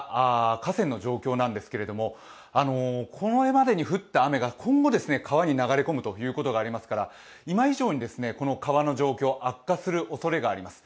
河川の状況なんですけれども、これまでに降った雨が今後川に流れこむことがありますから今以上にこの川の状況悪化するおそれがあります。